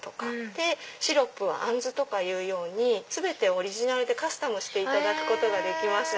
でシロップはアンズとかいうように全てオリジナルでカスタムしていただくことができます。